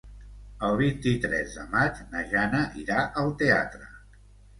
El vint-i-tres de maig na Jana irà al teatre.